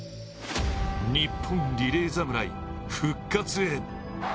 日本リレー侍、復活へ。